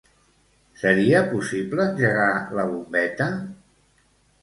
Seria possible engegar la bombeta?